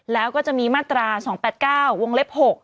แล้วก็จะมีมาตรา๒๘๙วงเล็บ๖